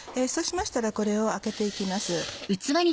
そうしましたらこれをあけて行きます。